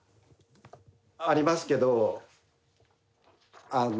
ありますけどあの。